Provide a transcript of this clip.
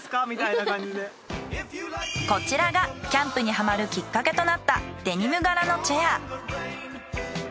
こちらがキャンプにハマるきっかけとなったデニム柄のチェア。